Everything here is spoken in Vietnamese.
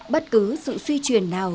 bất cứ sự suy truyền nào